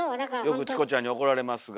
よくチコちゃんに怒られますが。